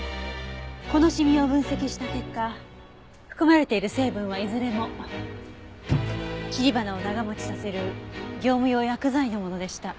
このシミを分析した結果含まれている成分はいずれも切り花を長持ちさせる業務用薬剤のものでした。